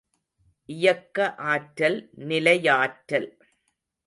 இயக்க ஆற்றல், நிலையாற்றல்.